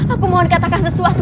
aku mohon katakan sesuatu